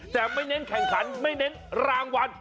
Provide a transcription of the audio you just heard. แต่ไม่เน้นแข่งขันไม่เน้นรางวัล